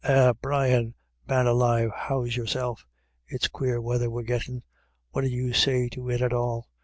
" Eh, Brian, man alive, how's your self? It's quare weather we're gittin' ; what d'you say to it at all